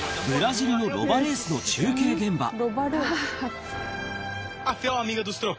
ブラジルのロバレースの中継現場。